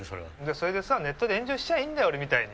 それでさネットで炎上しちゃーいいんだよ俺みたいに！